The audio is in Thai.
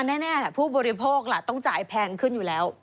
แน่ผู้บริโภคล่ะต้องจ่ายแพงขึ้นอยู่แล้ว